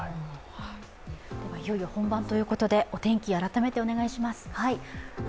いよいよ本番ということで、お天気を改めてお願いします。